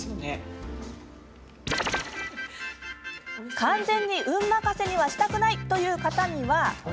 完全に運任せにしたくないという方には。